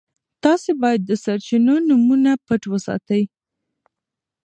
تاسي باید د سرچینو نومونه پټ وساتئ.